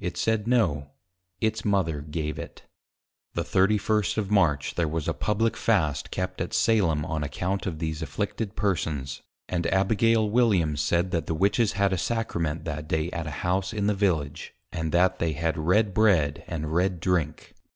It said no, its Mother gave it. The 31 of March there was a Publick Fast kept at Salem on account of these Afflicted Persons. And Abigail Williams said, that the Witches had a Sacrament that day at an house in the Village, and that they had Red Bread and Red Drink.